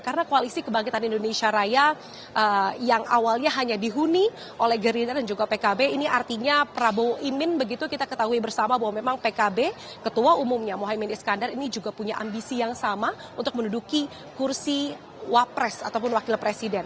karena koalisi kebangkitan indonesia raya yang awalnya hanya dihuni oleh gerindra dan juga pkb ini artinya prabowo imin begitu kita ketahui bersama bahwa memang pkb ketua umumnya mohaimin iskandar ini juga punya ambisi yang sama untuk menduduki kursi wapres ataupun wakil presiden